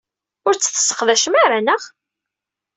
Ur tt-tesseqdacem ara, naɣ?